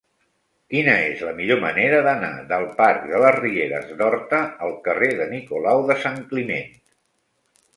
Quina és la millor manera d'anar del parc de les Rieres d'Horta al carrer de Nicolau de Sant Climent?